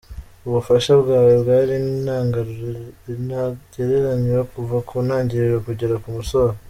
Ubufasha bwawe bwari ntagereranywa kuva ku ntangiriro kugera ku musozo.